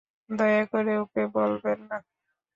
দয়া করে ওকে বলবেন না।